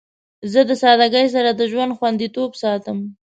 زه د سادگی سره د ژوند خوندیتوب ساتم.